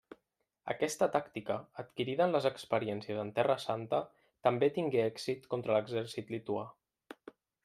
Aquesta tàctica, adquirida en les experiències en Terra Santa, també tingué èxit contra l'exèrcit lituà.